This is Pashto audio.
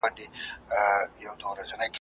ته به پروت یې په محراب کي د کلونو رنځ وهلی `